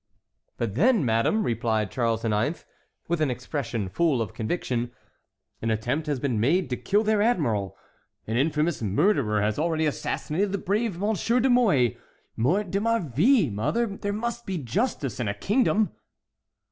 "But then, madame," replied Charles IX., with an expression full of conviction, "an attempt has been made to kill their admiral. An infamous murderer has already assassinated the brave M. de Mouy. Mort de ma vie, mother, there must be justice in a kingdom!"